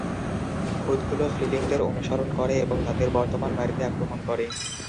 ভূতগুলো ফ্রিলিংদের অনুসরণ করে এবং তাদের বর্তমান বাড়িতে আক্রমণ করে।